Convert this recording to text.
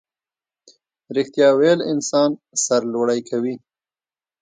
ریښتیا ویل انسان سرلوړی کوي